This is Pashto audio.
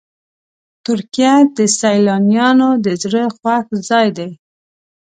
ترکیه د سیلانیانو د زړه خوښ ځای دی.